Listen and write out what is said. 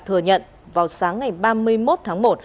thừa nhận vào sáng ngày ba mươi một tháng một